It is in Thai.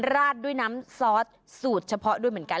ราดด้วยน้ำซอสสูตรเฉพาะด้วยเหมือนกัน